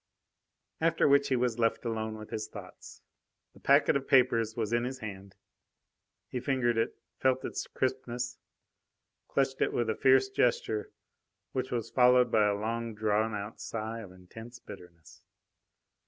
After which he was left alone with his thoughts. The packet of papers was in his hand. He fingered it, felt its crispness, clutched it with a fierce gesture, which was followed by a long drawn out sigh of intense bitterness.